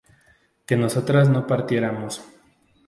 que nosotras no partiéramos